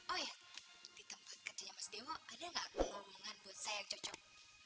oh ya di tempat kerjanya mas dewo ada nggak omongan buat saya yang cocok